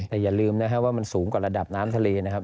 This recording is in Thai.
แต่อย่าลืมนะครับว่ามันสูงกว่าระดับน้ำทะเลนะครับ